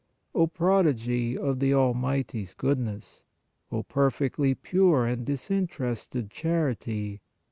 O prodigy of the Almighty s goodness! O perfectly pure and disinterested charity!